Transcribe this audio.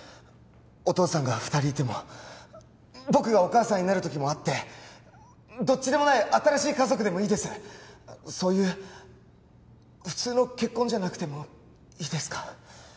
お父さんが二人いても僕がお母さんになる時もあってどっちでもない新しい家族でもいいですそういう普通の結婚じゃなくてもいいですか？